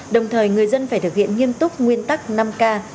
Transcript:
đồng thời người dân phải thực hiện nghiêm túc nguyên tắc năm k